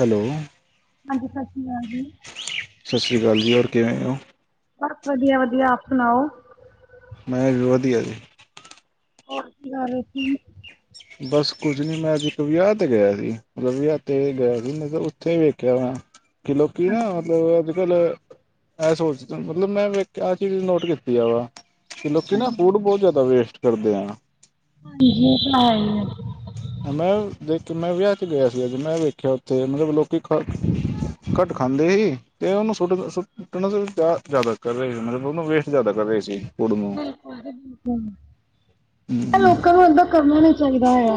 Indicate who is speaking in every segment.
Speaker 1: Hello!
Speaker 2: ਹਾਂਜੀ ਸਤਿ ਸ਼੍ਰੀ ਅਕਾਲ ਜੀ
Speaker 1: ਸਤਿ ਸ਼੍ਰੀ ਅਕਾਲ ਜੀ, ਹੋਰ ਕਿਵੇਂ ਹੋ?
Speaker 2: ਬਸ ਵਧੀਆ- ਵਧੀਆ। ਆਪ ਸੁਣਾਓ?
Speaker 1: ਮੈਂ ਵੀ ਵਧੀਆ ਜੀ।
Speaker 2: ਹੋਰ ਕੀ ਕਰ ਰਹੇ ਸੀ?
Speaker 1: ਬਸ ਕੁੱਝ ਨੀ ਮੈਂ ਅੱਜ ਇੱਕ ਵਿਆਹ ਤੇ ਗਿਆ ਸੀ, ਮਤਲਬ ਵਿਆਹ ਤੇ ਗਿਆ ਸੀ ਮੈਂ ਉੱਥੇ ਵੇਖਿਆ ਹੋਣਾ ਕਿ ਲੋਕੀ ਨਾ
Speaker 2: ਹਾਂਜੀ
Speaker 1: ਮਤਲਬ ਅੱਜ -ਕੱਲ, ਇਹ ਸੋਚ, ਮਤਲਬ ਮੈਂ ਵੇਖ ਆਹ ਚੀਜ਼ ਨੋਟ ਕੀਤੀ ਆ ਵਾ। ਤੇ ਲੋਕੀ ਨਾ
Speaker 2: ਹਾਂਜੀ
Speaker 1: ਫੂਡ ਬਹੁਤ ਜ਼ਿਆਦਾ ਵੇਸਟ ਕਰਦੇ ਆ।
Speaker 2: ਹਾਂਜੀ ਓ ਤਾਂ ਹੈ ਹੀ ਹੈ।
Speaker 1: ਮੈਂ ਦੇਖ ਮੈਂ ਵਿਆਹ ਚ ਗਿਆ ਸੀ ਅੱਜ ਮੈਂ ਵੇਖਿਆ ਉੱਥੇ ਮਤਲਬ ਲੋਕੀ ਖਾ ਘੱਟ ਖਾਂਦੇ ਸੀ ਤੇ ਉਹਨੂੰ ਸੁੱਟ ਸੁੱਟਣ ਜ਼ਿਆਦਾ ਕਰ ਰਹੇ ਸੀ ਮਤਲਬ ਉਹਨੂੰ ਵੇਸਟ ਜ਼ਿਆਦਾ ਕਰ ਰਹੇ ਸੀ। ਫੂਡ ਨੂੰ
Speaker 2: ਬਿਲਕੁਲ ਜੀ ਬਿਲਕੁਲ, ਪਰ ਲੋਕਾਂ ਨੂੰ ਏਦਾ ਕਰਨਾ ਨੀ ਚ ਲੱਗਦਾ ਹੋਇਆ,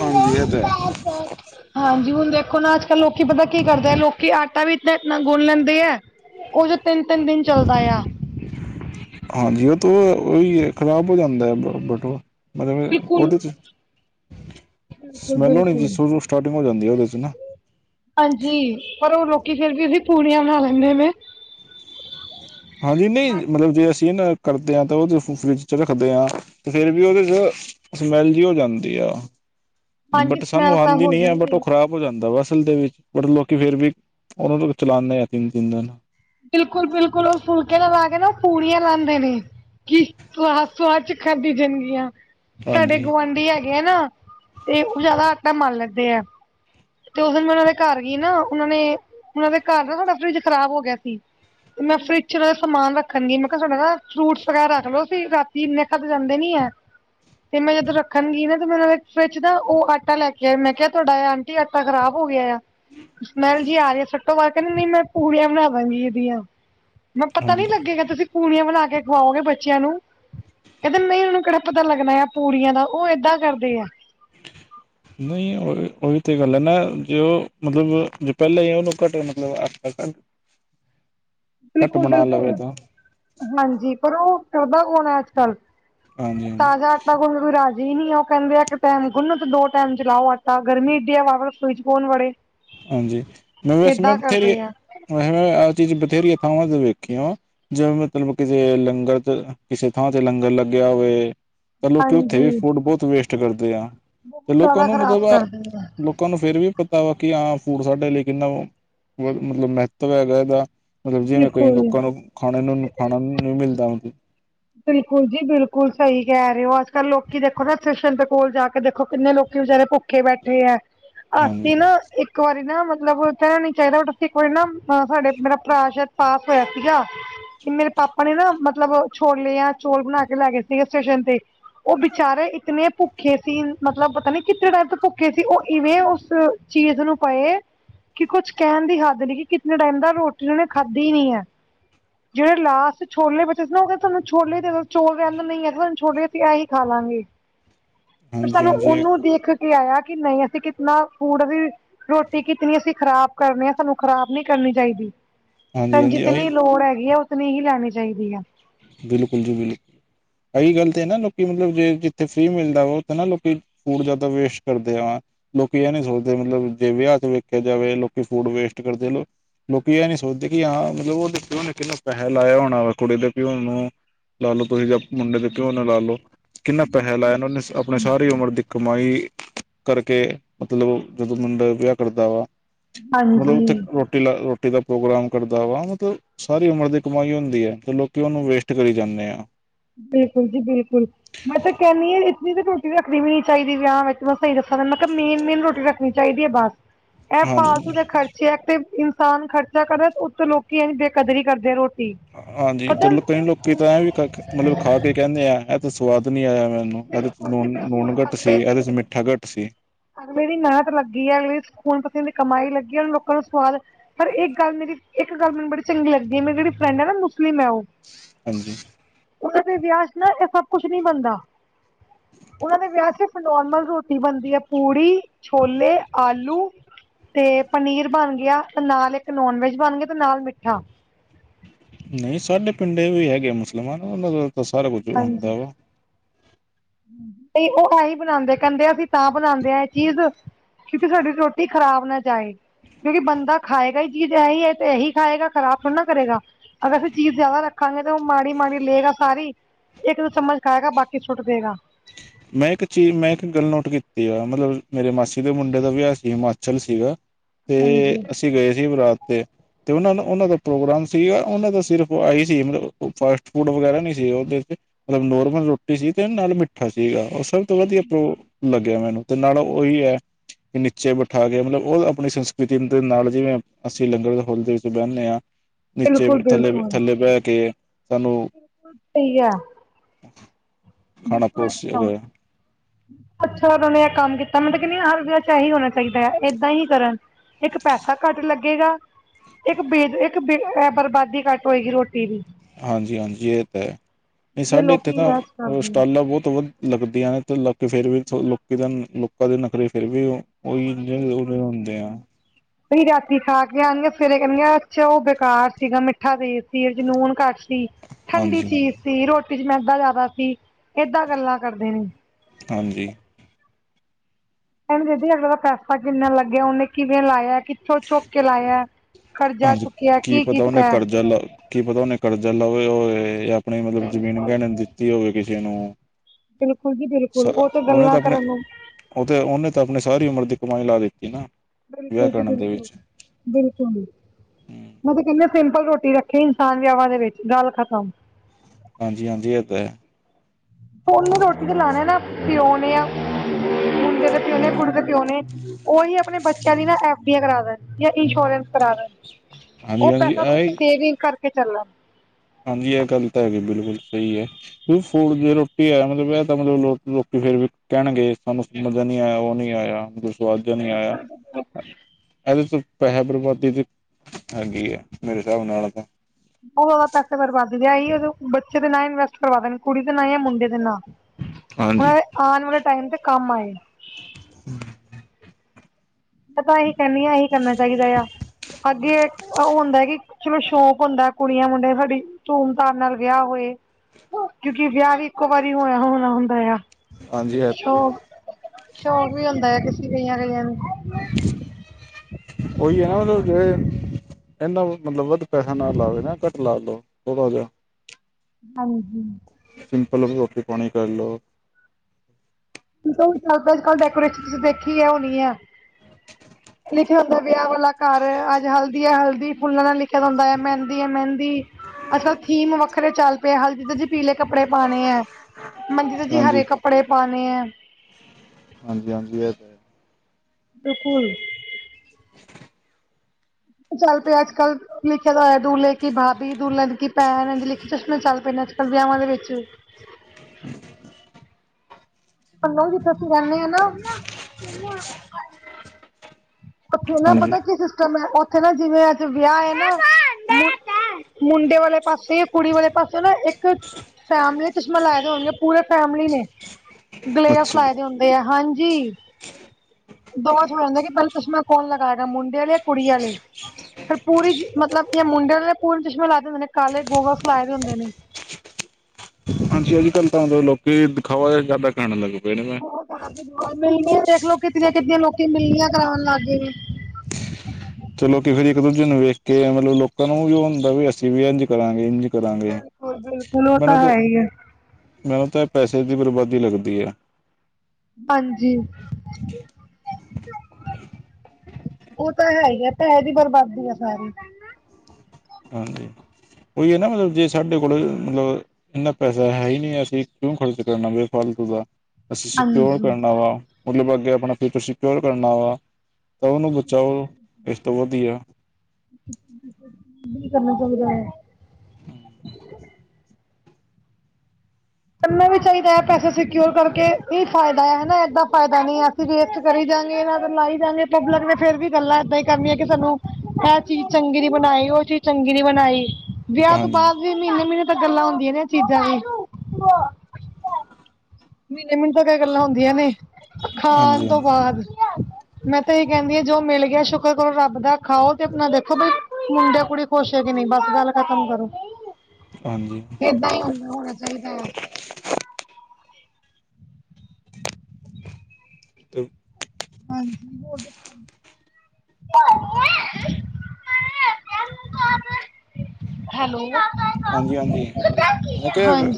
Speaker 1: ਹਾਂਜੀ ਇਹ ਤਾਂ ਹੈ। [unintelligible]
Speaker 2: ਹਾਂਜੀ ਹੁਣ ਦੇਖੋ ਨਾ ਅੱਜ- ਕੱਲ ਲੋਕੀ ਪਤਾ ਕੀ ਕਰਦੇ ਆ, ਲੋਕੀ ਆਟਾ ਵੀ ਇਤਨਾ- ਇਤਨਾ ਗੁਣ ਲੈਂਦੇ ਆ। ਉਹ ਜੋ ਤਿੰਨ- ਤਿੰਨ ਦਿਨ ਚੱਲਦਾ ਆ।
Speaker 1: ਹਾਂਜੀ ਉਹ ਤੇ ਉਹੀ ਏ, ਖ਼ਰਾਬ ਹੋ ਜਾਂਦਾ ਹੈ ਬਟ ਮਤਲਬ
Speaker 2: ਬਿਲਕੁਲ
Speaker 1: ਉਹਦੇ 'ਚ,
Speaker 2: ਬਿਲਕੁਲ
Speaker 1: ਸਮੈਲ ਹੋਣੀ ਜੀ
Speaker 2: ਬਿਲਕੁਲ
Speaker 1: ਸ਼ੁਰੂ ਸਟਾਰਟਿੰਗ ਹੋ ਜਾਂਦੀ ਹੈ ਉਹਦੇ 'ਚ ਨਾ।
Speaker 2: ਹਾਂਜੀ। ਪਰ ਉਹ ਲੋਕੀ ਫੇਰ ਵੀ ਅਸੀਂ ਪੂਰਿਆਂ ਬਣਾ ਲੈਂਦੇ ਨੇ।
Speaker 1: ਹਾਂਜੀ ਨਹੀਂ, ਮਤਲਬ ਜੇ ਅਸੀਂ ਇਹ ਨਾ ਕਰਦੇ ਹਾਂ ਤਾਂ ਉਹਦੇ ਫਰਿਜ ਚ ਰੱਖਦੇ ਆ ਤੇ ਫੇਰ ਵੀ ਉਹਦੇ ਚ, ਸਮੈਲ ਜਿਹੀ ਹੋ ਜਾਂਦੀ ਆ।
Speaker 2: ਹਾਂਜੀ
Speaker 1: ਬਟ ਸਾਨੂੰ
Speaker 2: ਸਮੈਲ ਤਾਂ
Speaker 1: ਆਂਦੀ
Speaker 2: ਹੋ
Speaker 1: ਨੀ ਐ, ਬਟ
Speaker 2: ਜਾਂਦੀ
Speaker 1: ਉਹ
Speaker 2: ਹੈ।
Speaker 1: ਖਰਾਬ ਹੋ ਜਾਂਦਾ ਵਾ, ਅਸਲ ਦੇ ਵਿੱਚ ਬਟ ਲੋਕੀ ਫੇਰ ਵੀ ਉਹਨਾਂ ਤੋਂ ਚਲਾਦੇ ਆ ਤਿੰਨ- ਤਿੰਨ ਦਿਨ।
Speaker 2: ਬਿਲਕੁਲ- ਬਿਲਕੁਲ ਉਹ ਫੁਲਕੇ ਲਗਾ ਕੇ ਨਾ ਉਹ ਪੂੜੀਆਂ ਲਾਂਦੇ ਨੇ। ਕੀ ਸੁਆਦ- ਸੁਆਦ ਚ ਖਾਦੀ ਜਾਣਗੀਆਂ। ਸਾਡੇ
Speaker 1: ਹਾਂਜੀ
Speaker 2: ਗੁਆਂਢੀ ਹੈਗੇ ਆ ਨਾ ਤੇ ਓ ਜਾਦਾ ਆਟਾ ਮੰਲ ਲੈਂਦੇ ਆ। ਤੇ ਓਸ ਦਿਨ ਮੈਂ ਓਨਾਂ ਦੇ ਘਰ ਗਈ ਨਾ ਓਨਾਂ ਨੇ, ਓਨਾਂ ਦੇ ਘਰ ਨਾ ਸਾਡਾ ਫਰਿਜ ਖ਼ਰਾਬ ਹੋ ਗਿਆ ਸੀ। ਮੈਂ ਫਰਿਜ ਚ ਓਨਾ ਦੇ ਸਮਾਨ ਰੱਖਣ ਗਈ ਮੈਂ ਕੈ ਤੁਆਡਾ ਫਰੂਟਸ ਵਗੈਰਾ ਰੱਖ ਲਓ ਅਸੀ ਰਾਤੀ ਏਨੇ ਖਾਦੇ ਜਾਂਦੇ ਨੀ ਐ। ਤੇ ਮੈਂ ਜਦੋਂ ਰੱਖਣਗੀ ਨਾ ਤੇ ਮੈਂ ਉਨ੍ਹਾਂ ਦੇ ਫਰੇਜ ਚ ਨਾ ਓ ਆਟਾ ਲੈ ਕੇ ਆਏ ਮੈਂ ਕੈਆ ਤੁਆਡਾ ਏ ਅਂ ਟੀ ਆਟਾ ਖਰਾਬ ਹੋ ਗਿਆ ਆ। ਸਮੈਲ ਜੀ ਆ ਰੀਏ ਸਟੋ ਬਾਰ ਕੇਂਦੇ ਨੀ ਮੈਂ ਪੂੜੀਆਂ ਬਣਾ ਦਾਂਗੀ ਏਦੀਆਂ। ਮੈਂ ਪਤਾ ਨੀ
Speaker 1: ਹਾਂਜੀ
Speaker 2: ਲੱਗੇਗਾ ਤੁਸੀਂ ਪੂੜੀਆਂ ਬਣਾ ਕੇ ਖਵਾਓਗੇ ਬੱਚੇਆਂ ਨੂੰ। ਕੇਂਦੇ ਨਈ ਓਨੂੰ ਕੇੜਾ ਪਤਾ ਲੱਗਣੇ ਆ ਪੂੜੀਆਂ ਦਾ ਉ ਏਦਾਂ ਕਰਦੇ ਆ।
Speaker 1: [inaudible] ਨਈ ਹੋਰ ਉਈ ਤੇ ਗਾਲ ਏ ਨਾ ਜੇ ਓ ਮਤਲਬ ਜੇ ਪੇਲੇ ਈ ਉਨੂੰ ਕਟ ਮਤਲਬ [unintelligible] ਕੱਟ
Speaker 2: ਬਿਲਕੁਲ
Speaker 1: ਬਣਾ ਲਵੇ
Speaker 2: ਬਿਲਕੁਲ
Speaker 1: ਤਾਂ।
Speaker 2: ਹਾਂਜੀ ਪਰ ਓ ਕਰਦਾ ਕੌਣ ਏ ਅੱਜ-ਕੱਲ,
Speaker 1: ਹਾਂਜੀ ਹਾਂਜੀ
Speaker 2: ਤਾਜ਼ਾ ਆਟਾ ਗੋਨਣ ਨੂੰ ਕੋਈ ਰਾਜੀ ਨੀ ਓ ਕੇਂਦੇ ਏ ਏਕ ਟੈਮ ਗੁੰਨੋ ਤੇ ਦੋ ਟੈਮ ਚਲਾਓ ਆਟਾ ਗਰਮੀ ਇੱਡੀ ਏ ਬਾਰ-ਬਾਰ ਰਸੋਈ ਤੇ ਕੋਣ ਵੜੇ।
Speaker 1: ਹਾਂਜੀ ਮੈਂ ਵੈਸੇ ਮੈਂ
Speaker 2: ਏਦਾਂ
Speaker 1: ਬਥੇਰੀ,
Speaker 2: ਕਰਦੇ ਆ
Speaker 1: ਵੈਸੇ ਮੈਂ ਆਹ ਚੀਜ਼ ਬਥੇਰੀਆਂ ਥਾਵਾਂ ਤੇ ਵੇਖੀਆ। ਜਿਵੇਂ ਮਤਲਬ ਕਿਸੇ ਲੰਗਰ ਤੇ ਕਿਸੇ ਥਾਂ ਤੇ ਲੰਗਰ ਲੱਗੇਆ ਹੋਵੇ। ਤਾਂ ਲੋਕੀ ਓਥੇ ਵੀ
Speaker 2: ਹਾਂਜੀ
Speaker 1: ਫੂਡ ਬੋਤ ਵੇਸਟ ਕਰਦੇ ਆ ਤੇ
Speaker 2: ਬਹੁਤ
Speaker 1: ਲੋਕਾਂ
Speaker 2: ਜ਼ਿਆਦਾ
Speaker 1: ਨੂੰ ਮਤਲਬ
Speaker 2: ਖ਼ਰਾਬ
Speaker 1: ਅ
Speaker 2: ਕਰਦੇ ਆ
Speaker 1: ਲੋਕਾਂ ਨੂੰ ਫੇਰ ਵੀ ਪਤਾ ਵਾ ਕਿ ਆ ਫੂਡ ਸਾਡੇ ਲਈ ਕਿੰਨਾ, ‌ ਮਤਲਬ ਮੇਹੱਤਵ ਹੈਗਾ ਏਦਾ। ਮਤਲਬ ਜਿਵੇਂ ਕਈ
Speaker 2: ਬਿਲਕੁਲ
Speaker 1: ਲੋਕਾਂ ਨੂੰ ਖਾਣੇ ਨੂੰ ਖਾਣਾ ਨਈ ਮਿਲਦਾ।
Speaker 2: ਬਿਲਕੁਲ ਜੀ ਬਿਲਕੁਲ ਸਈ ਕੈ ਰੇ ਓ ਅੱਜ-ਕੱਲ ਲੋਕੀ ਦੇਖੋ ਨਾ ਸਟੇਸ਼ਨ ਦੇ ਕੋਲ ਜਾ ਕੇ ਦੇਖੋ ਕਿੰਨੇ ਲੋਕੀ ਵਿਚਾਰੇ ਪੁੱ ਖੇ ਬੈਠੇ ਏ,
Speaker 1: ਹਾਂਜੀ
Speaker 2: ਅਸੀਂ ਨਾ ਇੱਕ ਇੱਕ ਵਾਰੀ ਨਾ ਮਤਲਬ ਕੈਣਾ ਨੀ ਚਾਈਦਾ ਮਤਲਬ ਮੇਰਾ ਭਰਾ ਸੈ਼ਦ ਪਾਸ ਹੋਏਆ ਸੀਗਾ। ਮੇਰੇ ਪਾਪਾ ਨੇ ਨਾ ਮਤਲਬ ਛੋਲੇ ਜਾਂ ਚੋਲ ਬਣਾ ਕੇ ਲੈ ਗਏ ਸੀਗੇ ਸਟੇਸ਼ਨ ਤੇ। ਓ ਵਿਚਾਰੇ ਇਤਨੇ ਪੁਖੇ ਸੀ ਮਤਲਬ ਪਤਾ ਨੀ ਕਿਤਨੇ ਟਾਈਮ ਤੋਂ ਪੁਖੇ ਸੀ ਓ ਇਵੇਂ ਉਸ ਚੀਜ਼ ਨੂੰ ਪਏ। ਕਿ ਕੁਝ ਕੈਣ ਦੀ ਹੱਦ ਨੀ ਕਿ ਕਿਤਨੇ ਟਾਈਮ ਦਾ ਰੋਟੀ ਓਨਾਂ ਨੇ ਖਾਧੀ ਨੀ ਏ। ਜਿੜੇ ਲਾਸਟ ਛੋਲੇ ਬੱਚੇ ਸੀ ਨਾ ਓ ਕੈ ਸਾਨੂੰ ਛੋਲੇ ਦੇਦੋ ਚੋਲ ਰੇਨਦੋ ਨਈ ਐ ਤੇ ਸਾਨੂੰ ਛੋਲੇ ਅਸੀਂ ਏਈ ਖਾ ਲਾਂਗੇ। ਫੇਰ
Speaker 1: ਹਾਂਜੀ
Speaker 2: ਸਾਨੂੰ
Speaker 1: ਹਾਂਜੀ
Speaker 2: ਉਨੂੰ ਦੇਖ ਕੇ ਆਯਾ, ਕਿ ਨਈ ਅਸੀਂ ਕਿਤਨਾ ਫੂਡ ਵੀ ਰੋਟੀ ਕਿਤਨੀ ਅਸੀਂ ਖ਼ਰਾਬ ਕਰਨੇ ਆ, ਸਾਨੂੰ ਖ਼ਰਾਬ ਨੀ ਕਰਨੀ ਚਾਈਦੀ।
Speaker 1: ਹਾਂਜੀ
Speaker 2: ਸਾਨੂੰ
Speaker 1: ਹਾਂਜੀ
Speaker 2: ਜਿਤਨੀ
Speaker 1: ਆਹੀ
Speaker 2: ਲੋੜ ਹੈਗੀ ਏ ਉਤਨੀ ਹੀ ਲੈਣੀ ਚਾਈਦੀ ਆ।
Speaker 1: ਬਿਲਕੁਵ ਜੀ ਬਿਲਕੁਲ‌। ਐਹੀ ਗੱਲਤ ਤੇ ਨਾ ਲੋਕੀ ਮਤਲਬ ਜੇ ਜਿੱਥੇ ਫਰੀ ਮਿਲਦਾ ਵਾ ਓਥੇ ਨਾ ਲੋਕੀ ਫੂਡ ਜਾਦਾ ਵੇਸਟ ਕਰਦੇ ਆ। ਲੋਕੀ ਏ ਨੀ ਸੋਚਦੇ ਮਤਲਬ ਜੇ ਵੇਆ ਚ ਵੇਖਿਆ ਜਾਵੇ ਲੋਕੀ ਫੂਡ ਵੇਸਟ ਕਰਦੇ ਨਾ ਲੋਕੀ ਏ ਨੀ ਸੋਚਦੇ ਕਿ ਹਾਂ ਮਤਲਬ ਓਦੇ ਪਿਓ ਨੇ ਕਿਨਾ ਪੈਹਾ ਲਾਏਆ ਹੋਣਾ ਵੇ ਕੁੜੀ ਦੇ ਪਿਓ ਨੂੰ। ਲਾ ਲੋ ਤੁਸੀਂ ਜਾਂ ਮੁੰਡੇ ਦੇ ਪਿਉ ਨਾ ਲਾ ਲੋ। ਕਿੰਨਾ ਪੈਹਾ ਲਾਏਆ ਨਾ ਓਨੇ ਅਪਣੇ ਸਾਰੀ ਉਮਰ ਦੀ ਕਮਾਈ ਕਰਕੇ ਮਤਲਬ ਜਦੋਂ ਮੁੰਡੇ ਦਾ ਵਿਆ ਕਰਦਾ ਵਾ ਮਤਲਬ
Speaker 2: ਹਾਂਜੀ
Speaker 1: ਉੱਥੇ ਰੋ ਟੀ ਲਾ ਰੋਟੀ ਦਾ ਪ੍ਰੋਗਰਾਮ ਕਰਦਾ ਵਾ ਮਤਲਬ ਸਾਰੀ ਉਮਰ ਦੀ ਕਮਾਈ ਹੁੰਦੀ ਏ ਤੇ ਲੋਕ ਕਿ ਓਨੂੰ ਵੇਸਟ ਕਰੀ ਜਾਂਣੇ ਆ।
Speaker 2: ਬਿਲਕੁਲ ਜੀ ਬਿਲਕੁਲ। ਮੈਂ ਤਾਂ ਕੇਨੀ ਆ ਇਤਨੀ ਤਾਂ ਰੋਟੀ ਰੱਖਣੀ ਵੀ ਨੀ ਚਾਈਦੀ ਵਿਆ ਵੇਚ ਮੈਂ ਸਈ ਦਸਾਂ ਤੇ ਮੈਂ ਕਿਆ ਮੇਨ-ਮੇਨ ਰੋਟੀ ਰੱਖਣੀ ਚਾਈਦੀ ਏ ਬਾਸ। ਏ
Speaker 1: ਹਾਂਜੀ
Speaker 2: ਫਾਲਤੂ ਦੇ ਖਰਚੇ ਏ ਏਕ ਤੇ ਇਨਸਾਨ ਖਰਚਾ ਕਰੇ ਤੇ ਉਤੋ ਲੋਕੀ ਏ ਬੇਕਦਰੀ ਕਰਦੇ ਏ ਰੋ
Speaker 1: ਹਾਂਜੀ ਤੇ ਕਈ ਲੋਕੀ ਤਾਂ ਐਂ ਵੀ ਮਤਲਬ ਖਾ ਕੇ ਕੇਂਦੇ ਏ ਏ ਤੇ ਸਵਾਦ ਨੀ ਆਇਆ ਮੈ ਨੂੰ ਏਦੇ ਚ ਲੂਣ ਲੂਣ ਘਾੱਟ ਸੀ, ਏਦੇ ਚ ਮਿੱਠਾ ਘਾੱਟ ਸੀ।
Speaker 2: ਅਗਲੇ ਦੀ ਮੇਨਤ ਲੱਗੀ ਏ, ਅਗਲੇ ਦੀ ਖੂਨ ਪਸਿਨੇ ਦੀ ਕਮਾਈ ਲੱਗੀ ਏ, ਲੋਕਾਂ ਨੂੰ ਸਵਾਦ ਪਰ ਏਕ ਗੱਲ ਮੇਰੀ ਏਕ ਗੱਲ ਮੈਨੂੰ ਬੜੀ ਚੰਗੀ ਲੱਗੀਦੀ ਏ, ਮੇਰੀ ਜੇੜੀ ਫਰੈਂਡ ਏ ਨਾ ਮੁਸਲਿਮ ਏ ਉ।
Speaker 1: ਹਾਂਜੀ।
Speaker 2: ਉਨਾਂ ਦੇ ਵਿਆਹ ਚ ਨਾ ਏ ਸਬ ਕੁਛ ਨੀ ਬਣਦਾ‌ ਉਨਾਂ ਦੇ ਵਿਆਹ ਚ ਸਿਰਫ ਨੋਰਮਲ ਰੋਟੀ ਬਣਦੀ ਏ ਪੂੜੀ, ਛੋਲੇ, ਆਲੂ। ਤੇ ਪਨੀਰ ਬਣ ਗੇਆ, ਤੇ ਨਾਲ ਇੱਕ ਨੋਨ ਵੈਜ ਬਣ ਗੇਆ, ਤੇ ਨਾਲ ਮਿੱਠਾ।
Speaker 1: ਨਹੀਂ ਸਾਡੇ ਪਿੰਡ ਵੀ ਹੈਗੇ ਐ ਮੁਸਲਮਾਨ, ਉਹਨਾਂ ਦਾ ਤਾਂ ਸਾਰਾ ਕੁੱਝ ਹੁੰਦਾ ਵਾ।
Speaker 2: ਨਈ ਉਹ ਆਹੀ ਬਣਾਉਂਦੇ, ਕਹਿੰਦੇ ਅਸੀਂ ਤਾਂ ਬਣਾਉਦੇ ਐ ਇਹ ਚੀਜ਼, ਕਿਉਕਿ ਸਾਡੀ ਰੋਟੀ ਖਰਾਬ ਨਾ ਜਾਏ। ਕਿਉਂਕਿ ਬੰਦਾ ਖਾਏਗਾ ਹੀ ਚੀਜ਼, ਇਹੀ ਹੈ ਤੇ ਇਹੀ ਖਾਏਗਾ ਖਰਾਬ ਥੋੜਾ ਨਾ ਕਰੇਗਾ। ਅਗਰ ਅਸੀਂ ਚੀਜ਼ ਜ਼ਿਆਦਾ ਰੱਖਾਂਗੇ, ਤੇ ਉਹ ਮਾੜੀ-ਮਾੜੀ ਲਏਗਾ ਸਾਰੀ, ਇੱਕ ਦੋ ਚਮਚ ਖਾਏਗਾ, ਬਾਕੀ ਸੁੱਟ ਦੇਗਾ।
Speaker 1: ਮੈਂ ਇੱਕ ਚੀਜ਼ ਮੈਂ ਇੱਕ ਗੱਲ ਨੋਟ ਕੀਤੀ ਆ, ਮਤਲਬ ਮੇਰੇ ਮਾਸੀ ਦੇ ਮੁੰਡੇ ਦਾ ਵਿਆਹ ਸੀ, ਹਿਮਾਚਲ ਸੀਗਾ। ਤੇ
Speaker 2: ਹਾਂਜੀ
Speaker 1: ਅਸੀਂ ਗਏ ਸੀ ਬਰਾਤ ਤੇ, ਅਤੇ ਉਹਨਾਂ ਨੂੰ ਉਹਨਾਂ ਦਾ ਪ੍ਰੋਗਰਾਮ ਸੀਗਾ, ਉਹਨਾਂ ਦਾ ਸਿਰਫ ਆਹੀ ਸੀ, ਮਤਲਬ ਫਾਸਟ ਫੂਡ ਵਗੈਰਾ ਨਹੀਂ ਸੀ ਉਹਦੇ ਮਤਲਬ ਨੋਰਮਲ ਰੋਟੀ ਸੀ, ਤੇ ਨਾਲ ਮਿੱਠਾ ਸੀਗਾ, ਉਹ ਸਭ ਤੋਂ ਵਧੀਆ ਪ੍ਰ ਲੱਗਿਆ ਮੈਨੂੰ, ਤੇ ਨਾਲ ਉਹੀ ਹੈ। ਤੇ ਨੀਚੇ ਬਿਠਾ ਕੇ, ਮਤਲਬ ਉਹ ਆਪਣੀ ਸੰਸਕ੍ਰਿਤੀ ਦੇ ਨਾਲ ਜਿਵੇਂ, ਅਸੀਂ ਲੰਗਰ ਦੇ ਹਾਲ ਦੇ ਵਿੱਚ ਬਹਨੇ ਆਂ। ਨੀਚੇ
Speaker 2: ਬਿਲਕੁਲ ਬਿਲਕੁਲ
Speaker 1: ਥੱਲੇ-ਥੱਲੇ ਬਹਿ ਕੇ, ਸਾਨੂੰ
Speaker 2: ਸਹੀ ਹੈ
Speaker 1: ਖਾਣਾ
Speaker 2: ਬਿਲਕੁਲ
Speaker 1: ਪਰੋਸ
Speaker 2: ਅੱਛਾ,
Speaker 1: ਰਿਹਾ।
Speaker 2: ਅੱਛਾ ਨਾਂ ਨੇ ਇੱਕ ਕੰਮ ਕੀਤਾ, ਮੈਂ ਤੇ ਕਹਿੰਨੀ ਆਂ ਹਰ ਵਿਆਹ ਚ ਇਹੀ ਹੋਣਾ ਚਾਹੀਦਾ ਹੈ, ਏਦਾਂ ਹੀ ਕਰਨ ਇੱਕ ਪੈਸਾ ਘੱਟ ਲੱਗੇਗਾ। ਇੱਕ ਬੇਦ ਇੱਕ ਬੇ ਐ ਬਰਬਾਦੀ ਘੱਟ ਹੋਏਗੀ ਰੋਟੀ ਦੀ।
Speaker 1: ਹਾਂਜੀ-ਹਾਂਜੀ ਇਹ ਤੇ ਹੈ, ਨਹੀਂ
Speaker 2: ਜਿਵੇਂ
Speaker 1: ਸਾਡੇ ਇੱਥੇ
Speaker 2: ਲੋਕੀ
Speaker 1: ਤਾਂ
Speaker 2: ਵਿਆਹ ਚ
Speaker 1: ਔ
Speaker 2: ਕਰਦੇ ਆ
Speaker 1: ਸਟਾਲ ਬਹੁਤ ਵੱਧ ਲੱਗਦੀਆਂ ਨੇ ਤੇ ਫੇਰ ਵੀ ਲੋਕੀ-ਲੋਕਾਂ ਦੇ ਨਕਰੇ ਫਿਰ ਵੀ ਉਹੀ ਉਹ ਹੁੰਦੇ ਆ।
Speaker 2: ਅਸੀ ਰਾਤੀ ਖਾ ਕੇ ਆਣਗੇ, ਫਿਰ ਏ ਕਹਿੰਣਗੇ ਅੱਛਾ ਉਹ ਬੇਕਾਰ ਸੀਗਾ, ਮਿੱਠਾ ਤੇਜ਼ ਸੀ ਉਹ, ਵਿਚ ਲੂਣ ਘੱਟ ਸੀ। ਠੰਡੀ
Speaker 1: ਹਾਂਜੀ
Speaker 2: ਚੀਜ਼ ਸੀ, ਰੋਟੀ ਚ ਮੈਦਾ ਜ਼ਿਆਦਾ ਸੀ, ਏਦਾਂ ਗੱਲਾਂ ਕਰਦੇ ਨੇ,
Speaker 1: ਹਾਂਜੀ,
Speaker 2: ਹੁਣ ਦੀਦੀ ਦਾ ਪੈਸਾ ਕਿੰਨਾ ਲੱਗਿਆ, ਉਹਨੇ ਕਿਵੇਂ ਲਾਇਆ ਕਿੱਥੋਂ ਚੁੱਕ ਕੇ ਲਾਇਆ। ਕਰਜ਼ਾ
Speaker 1: ਹਾਂਜੀ
Speaker 2: ਚੁੱਕਿਆ, ਕੀ
Speaker 1: ਪਤਾ ਉਹਨੇ
Speaker 2: ਕੀਤਾ।
Speaker 1: ਕਰਜ਼ਾ ਲ ਕੀ ਪਤਾ ਉਹਨੇ ਕਰਜ਼ਾ ਲਵੇ ਹੋਵੇ, ਆਪਣੀ ਮਤਲਬ ਜ਼ਮੀਨ ਗਹਿਣੇ ਦਿੱਤੀ ਹੋਵੇ ਕਿਸੇ ਨੂੰ
Speaker 2: ਬਿਲਕੁਲ ਜੀ ਬਿਲਕੁਲ ਉਹ ਤੇ
Speaker 1: ਉਹਨੇ
Speaker 2: ਗੱਲਾਂ
Speaker 1: ਤਾਂ ਆਪਣੇ
Speaker 2: ਕਰਣ ਨੂੰ
Speaker 1: ਉਹ ਤੇ ਉਹਨੇ ਤੇ ਆਪਣੀ ਸਾਰੀ ਉਮਰ ਦੀ ਕਮਾਈ ਲਾ ਦਿੱਤੀ ਨਾ, ਵਿਆਹ
Speaker 2: ਬਿਲਕੁਲ ਜੀ
Speaker 1: ਕਰਨ ਦੇ ਵਿੱਚ
Speaker 2: ਬਿਲਕੁਲੀ, ਬਿਲਕੁਲ ਜੀ।
Speaker 1: ਹਮ
Speaker 2: ਮੈਂ ਕਿਹਾ ਕਹਿੰਦੇ ਸਿੰਪਲ ਰੋਟੀ ਰੱਖੇ ਇਨਸਾਨ, ਵੀਆਹਾਂ ਦੇ ਵਿੱਚ ਗੱਲ ਖਤਮ
Speaker 1: ਹਾਂਜੀ-ਹਾਂਜੀ, ਇੱਹ ਤੇ ਹੈ।
Speaker 2: ਔਨੂੰ ਰੋਟੀ ਤੇ ਲਾਉਣੇ ਨਾ, ਪਿਉ ਨੇ ਆ ਮੁੰਡੇ ਦੇ ਪਿਉ ਨੇ ਕੁੜੀ ਦੇ ਪਿਉ ਨੇ। ਉਹੀ ਆਪਣੇ ਬੱਚਿਆਂ ਲਈ ਨਾ ਐਫ ਡੀ ਆ ਕਰਾ ਦੇਣ, ਜਾਂ ਇੰਸ਼ੋਰੈਂਸ ਕਰਾ ਦੇਣ।
Speaker 1: ਹਾਂਜੀ
Speaker 2: ਉਹ
Speaker 1: ਹਾਂਜੀ
Speaker 2: ਪੈਸਾ
Speaker 1: ਇਹ
Speaker 2: ਸੇਵਿੰਗ ਕਰਕੇ ਚੱਲਣਾ,
Speaker 1: ਹਾਂਜੀ ਇਹ ਗੱਲ ਤਾਂ ਹੈਗੀ, ਬਿਲਕੁਲ ਸਹੀ ਹੈ। ਫੂਡ ਜੇ ਰੋਟੀ ਹੈ, ਮਤਲਬ ਇਹ ਤਾਂ ਮਤਲਬ ਰੋਟੀ ਫੇਰ ਵੀ ਕਹਿਣਗੇ ਸਾਨੂੰ ਮਜ਼ਾ ਨਹੀਂ ਆਇਆ ਉਹ ਨਹੀਂ ਆਇਆ, ਸਵਾਦ ਨੀ ਆਇਆ। ਐਦੇ ਤੋਂ ਪੈਸੇ ਬਰਬਾਦੀ 'ਤੇ ਹੈਗੀ ਐ ਮੇਰੇ ਹਿਸਾਬ ਨਾਲ ਤਾਂ।
Speaker 2: ਉਹ ਪੈਸੇ ਬਰਬਦ ਦੇ ਆ ਜੀ ਓ ਬੱਚੇ ਦੇ ਨਾ ਇਨਵੈਸਟ ਕਰਵਾ ਦੇਣ, ਕੁੜੀ ਦੇ ਨਾਂ ਜਾਂ ਮੁੰਡੇ ਦੇ ਨਾਂ।
Speaker 1: ਹਾਂਜੀ।
Speaker 2: ਆਣ ਵਾਲੇ ਟਾਈਮ 'ਤੇ ਕੰਮ ਆਏ।
Speaker 1: [inaudible]
Speaker 2: ਮੈਂ ਤਾਂ ਆਹੀ ਕੈਂਨੀ ਆ ਆਹੀ ਕਰਨਾ ਚਾਈਦਾ ਆ, ਅੱਗੇ ਓ ਹੁੰਦਾ ਕਿ ਚਲੋ ਸ਼ੌਂਕ ਹੁੰਦਾ ਕੁੜੀਆਂ-ਮੁੰਡੇ ਸਾਡੀ ਧੂਮ-ਧਾਮ ਨਾਲ ਵਿਆ ਹੋਏ। ਕਿਉਂਕਿ ਵਿਆ ਵੀ ਇੱਕੋ ਵਾਰੀ ਹੋਣਾ, ਹੋਣਾ ਹੁੰਦਾ ਆ।
Speaker 1: ਹਾਂਜੀ ਇਹ ਤਾਂ ਹੈ
Speaker 2: ਸ਼ੌਕ, ਸ਼ੌਕ ਵੀ ਹੁੰਦਾ ਆ ਕਿਸੀ ਕਈਆਂ-ਕਈਆਂ ਨੂੰ।
Speaker 1: ਓਹੀ ਆ ਨਾ ਮਤਲਬ ਜੇੜੇ ਕੈਂਦਾ ਮਤਲਬ ਵੱਧ ਪੈਸਾ ਨਾ ਲਾਵੇ ਨਾ ਘੱਟ ਲਾ ਲੋ ਥੋੜਾ ਜੇਆ।
Speaker 2: ਹਾਂਜੀ।
Speaker 1: ਸਿੰਮਪਲ ਰੋਟੀ ਪਾਣੀ ਕਰਲੋ।
Speaker 2: ਜਿਦਾਂ ਹੁਣ ਚੱਲ ਪਿਆ ਅੱਜ-ਕੱਲ ਡੈਕੋਰੇਸ਼ਨ ਤੁਸੀਂ ਦੇਖੀਆਂ ਹੋਣੀ ਆ ਲਿਖਿਆ ਹੁੰਦਾ ਵੇਆ ਵਾਲਾ ਘਰ ਅੱਜ ਹਲਦੀ ਆ ਹਲਦੀ ਫੁੱਲਾਂ ਨਾਲ ਲਿਖਿਆ ਦਾ ਹੁੰਦਾ ਆ, ਮਹਿੰਦੀ ਐ ਮਹਿੰਦੀ ਅੱਜ-ਕੱਲ ਥੀਮ ਵੱਖਰੇ ਚੱਲ ਪੇ ਹਲਦੀ 'ਤੇ ਜੀ ਪੀਲੇ ਕੱਪੜੇ ਪਾਣੇ ਐ। ਮੰਜੀ 'ਤੇ ਜੀ ਹਰੇ
Speaker 1: ਹਾਂਜੀ
Speaker 2: ਕੱਪੜੇ ਪਾਨੇ ਐ।
Speaker 1: ਹਾਂਜੀ-ਹਾਂਜੀ ਐ ਤਾਂ
Speaker 2: ਬਿਲਕੁੱਲ। ਚੱਲ ਪੇ ਅੱਜ-ਕੱਲ ਲਿਖਿਆ ਦਾ ਹੋਇਆ ਦੁਲੇ ਕੀ ਭਾਬੀ, ਦੁਹਲਣ ਕੀ ਭੈਣ ਇਝ ਲਿਖ ਚਸ਼ਮੇ ਚੱਲ ਪੇ ਨੇ ਅੱਜ-ਕੱਲ ਵੇਆਵਾ ਦੇ ਵਿੱਚ। ਪੰਨੋ ਜਿੱਥੇ ਅਸੀਂ ਰੈਂਨੇ ਐ ਨਾ ਮੰਮੂ ਆਉ ਕੱਲ। ਉੱਥੇ ਨਾ
Speaker 1: ਹਾਂਜੀ
Speaker 2: ਪਤਾ ਕੀ ਸਿਸਟਮ ਐ ਉੱਥੇ ਨਾ ਜਿਵੇਂ ਅੱਜ ਵੇਆ ਏ ਨਾ ਮੁ ਮੁੰਡੇ ਵਾਲੇ ਪਾਸੇ ਜਾਂ ਕੁੜੀ ਵਾਲੇ ਪਾਸੋਂ ਨਾ ਇੱਕ ਫੈਮਲੀ ਨੇ ਚਸ਼ਮਾਂ ਲਾਏ ਦੇ ਹੋਣਗੇ ਪੂਰੀ ਫੈਮਿਲੀ ਨੇ। ਗਲੇਅਸ
Speaker 1: ਅੱਛਾ ਜੀ।
Speaker 2: ਲਾਏ ਦੇ ਹੁੰਦੇ ਆ ਹਾਂਜੀ, ਦੋਸ਼ ਹੋ ਜਾਂਦਾ ਕਿ ਪੈਲਾ ਚਸ਼ਮਾ ਕੌਣ ਲਗਾਏਗਾ ਮੁੰਡੇ ਆਲੇ, ਕੁੜੀ ਆਲੇ। ਫੇਰ ਪੂਰੀ ਜਿ ਮਤਲਬ ਕੀ ਐ ਮੁੰਡੇ ਆਲੇ ਦੇ ਪੂਰਨ ਚਸ਼ਮੇ ਲਾਏ ਦੇ ਹੁੰਦੇ ਨੇ ਕਾਲੇ ਗੋਗਲਸ ਲਾਏ ਦੇ ਹੁੰਦੇ ਨੇ।
Speaker 1: ਹਾਂਜੀ ਅੱਜ-ਕੱਲ ਤਾਂ ਦੇ ਲੋਕੀ ਦਿਖਾਵਾ ਜਿਆਦਾ ਗ ਖਾਣ ਲੱਗ ਪੇ ਨੇ ਮੈਂ।
Speaker 2: ਮਿਲਣੀਆਂ ਦੇਖਲੋ ਕਿਤਨੀਆ-ਕਿਤਨੀਆਂ ਲੋਕੀਂ ਮਿਲਣੀਆਂ ਕਰਾਨ ਲਾਗੇ ਨੇ।
Speaker 1: ਚਲੋ ਕਿ ਇੱਕ-ਦੂਜੇ ਨੂੰ ਵੇਖ ਕੇ ਮਤਲਬ ਲੋਕਾਂ ਨੂੰ ਵੀ ਓ ਹੁੰਦਾ ਵੀ ਅਸੀਂ ਵੀ ਇੰਝ ਕਰਾਂਗੇ ਇੰਝ ਕਰਾਂਗੇ।
Speaker 2: ਬਿਲਕੁੱਲ-ਬਿਲਕੁੱਲ ਓ ਤਾਂ ਹੈਈ ਐ।
Speaker 1: ਮੈਨੂੰ ਤਾਂ ਏ ਪੈਸੇ ਦੀ ਬਰਬਾਦੀ ਲੱਗਦੀ ਐ।
Speaker 2: ਹਾਂਜੀ। ਓ ਤਾਂ ਹੈ ਈ ਐ ਪੈਹੇ ਦੀ ਬਰਬਾਦੀ ਆ ਸਾਰੀ।
Speaker 1: ਹਾਂਜੀ, ਉਈ ਏ ਨਾ ਮਤਲਬ ਜੇ ਸਾਡੇ ਕੋਲ ਮਤਲਬ ਇੰਨਾ ਪੈਸਾ ਹੈਈ ਨੀ ਅਸੀਂ ਕਿਉਂ ਖ਼ਰਚ ਕਰਨਾ ਵੇ ਫਾਲਤੂ ਦਾ, ਅਸੀਂ ਸਿਕਿਓਰ
Speaker 2: ਹਾਂਜੀ।
Speaker 1: ਕਰਨਾ ਵਾ। ਮਤਲਬ ਅੱਗੇ ਆਪਣਾ ਫਿਊਚਰ ਸਿਕਿਓਰ ਕਰਨਾ ਵਾ, ਤਾਂ ਉਨੂੰ ਬਚਾਓ ਇਸ ਤੋਂ ਵਧੀਆ।
Speaker 2: [inaudible] ਕਰਨਾ ਚਾਈਦਾ ਐ। ਕਰਨਾ ਵੀ ਚਾਈਦਾ ਐ ਪੈਸੇ ਸਿਕਓਰ ਕਰਕੇ ਨੀ ਫਾਇਦਾ ਆ ਹਨਾ ਏਦਾਂ ਫਾਇਦਾ ਨੀ ਐ। ਸੀ ਰੇਸਟ ਕਰੀ ਜਾਂਗੇ ਏਨਾਂ ਦਾ ਲਾਈ ਜਾਨੇ ਆ ਪਬਲਿਕ ਨੇ ਫੇਰ ਵੀ ਗੱਲਾਂ ਏਦਾਂ ਈ ਕਰਨੀਆਂ ਕਿ ਸਾਨੂੰ ਐ ਚੀਜ਼ ਚੰਗੀ ਨੀ ਬਣਾਈ, ਓ ਚੀਜ਼ ਚੰਗੀ ਨੀ ਬਣਾਈ। ਵੇਆ ਤੋਂ
Speaker 1: ਹਾਂਜੀ
Speaker 2: ਬਾਅਦ ਵੀ ਮ੍ਹੀਨੇ-ਮ੍ਹੀਨੇ ਤੱਕ ਗੱਲਾਂ ਹੁੰਦੀਆਂ ਨੇ ਐ ਚੀਜ਼ਾਂ ਦੀ। ਮੀਨੇ ਮੀਤੋਂ ਗੱਲਾਂ ਹੁੰਦੀਆਂ ਨੇ, ਖਾਣ
Speaker 1: ਹਾਂਜੀ
Speaker 2: ਤੋਂ ਬਾਅਦ। ਮੈਂ ਤਾਂ ਏ ਕੈਂਦੀ ਆਂ, ਜੋ ਮਿਲ ਗਿਆ ਸ਼ੁਕਰ ਕਰੋ ਰੱਬ ਦਾ, ਖਾਓ ਤੇ ਆਪਣਾ ਦੇਖੋ ਮੁੰਡੇ ਕੁੜੀ ਖੁਸ਼ ਐ ਕੇ ਨਈਂ, ਬਸ ਗੱਲ ਖਤਮ ਕਰੋ।
Speaker 1: ਹਾਂਜੀ।
Speaker 2: ਏਦਾਂ ਹੀ ਹੋਣਾ ਚਾਈਦਾਯਾ।
Speaker 1: ਤੇ
Speaker 2: ਹਾਂਜੀ, ਹੋਰ ਦੋਸੋ।
Speaker 1: [inaudible]
Speaker 2: ਹੈਲੋ।
Speaker 1: ਹਾਂਜੀ-ਹਾਂਜੀ [unintelligible]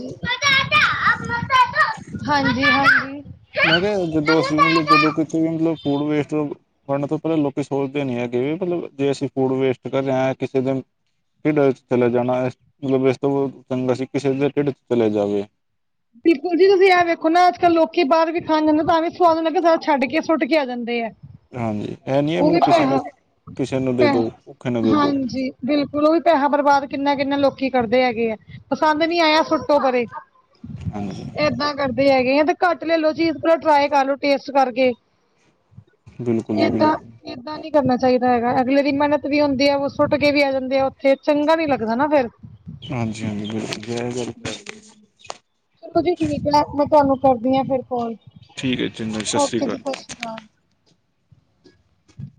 Speaker 2: ਹਾਂਜੀ-ਹਾਂਜੀ।
Speaker 1: ਮੈਂ ਕੇਆ ਜਦੋਂ ਅਸੀਂ, ਜਦੋਂ ਕਿਤੇ ਵੀ ਮਤਲਬ ਫੂਡ ਵੇਸਟ ਬਣਨ ਤੋਂ ਪੈਲਾਂ ਲੋਕੀਂ ਸੋਚਦੇ ਨੀ ਹੈਗੇ, ਜੇ ਅਸੀਂ ਫੂਡ ਵੇਸਟ ਕਰ ਰਹੇ ਕਿਸੇ ਦੇਨ ਢਿੱਡ ਚੱਲੇ ਜਾਣਾ ਏ, ਇਸ ਤੋਂ ਚੰਗਾ ਸੀ ਕਿਸੇ ਦੇ ਢਿੱਡ ਚ ਚਲਿਆ ਜਾਵੇ।
Speaker 2: ਪਪਲ ਜੀ ਤੁਸੀਂ ਐਂ ਵੇਖੋ ਨਾ, ਅੱਜ ਕੱਲ੍ਹ ਲੋਕੀ ਬਾਹਰ ਵੀ ਖਾਣ ਜਾਂਦੇ, ਤਾਂ ਵੀ ਸੁਵਾਦ ਛੱਡ ਕੇ ਸੁੱਟ ਕੇ ਆ ਜਾਂਦੇ ਆ।
Speaker 1: ਹਾਂਜੀ, ਏਹ ਨੀਂ ਐ
Speaker 2: ਉਹ ਵੀ
Speaker 1: ਕਿਸੇ ਨੂੰ
Speaker 2: ਪੈਸਾ
Speaker 1: ਕਿਸੇ ਨੂੰ
Speaker 2: ਪੈਸਾ
Speaker 1: ਦੇਦੋ, ਔਖੇ ਨਾ ਬੋਲੋ।
Speaker 2: ਹਾਂਜੀ ਬਿਲਕੁਲ ਓ ਵੀ ਪੈਹਾ ਬਰਬਾਦ ਕਿੰਨਾ-ਕਿੰਨਾ ਲੋਕੀਂ ਕਰਦੇ ਹੈਗੇ ਆ, ਪਸੰਦ ਨੀ ਆਯਾ ਸੁੱਟੋ ਪਰੇ।
Speaker 1: ਹਾਂਜੀ।
Speaker 2: ਏਦਾਂ ਕਰਦੇ ਹੈਗੇ ਆ ਤੇ ਘੱਟ ਲੈਲੋ ਚੀਜ, ਪੈਲਾਂ ਟਰਾਈ ਕਰ ਲੋ ਟੇਸਟ ਕਰਕੇ।
Speaker 1: ਬਿਲਕੁਲ ਜੀ ਬਿਲਕੁਲ
Speaker 2: ਏਦਾਂ- ਏਦਾਂ ਨੀ ਕਰਨਾ ਚਾਈਦਾ ਹੈਗਾ, ਅਗਲੇ ਦੀ ਮੇਨਤ ਵੀ ਹੁੰਦੀ ਆ ਓ ਸੁੱਟ ਕੇ ਵੀ ਆ ਜਾਂਦੇ ਆ ਓਥੇ, ਚੰਗਾ ਨੀ ਲੱਗਦਾ ਨਾ ਫੇਰ।
Speaker 1: ਹਾਂਜੀ-ਹਾਂਜੀ, ਵਧੀਆ ਘਰ ਪੇ?
Speaker 2: ਚਲੋ ਜੀ ਠੀਕ ਐ ਮੈਂ ਤੁਆਨੂੰ ਕਰਦੀ ਹਾਂ ਫੇਰ ਕੋਲ,
Speaker 1: ਠੀਕ ਹੈ ਚੰਗਾ ਸਤਿ ਸ਼੍ਰੀ
Speaker 2: ਓਕੇ
Speaker 1: ਅਕਾਲ
Speaker 2: ਜੀ ਸਤਿ ਸ਼੍ਰੀ ਅਕਾਲ।